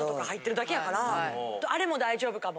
あれも大丈夫かも。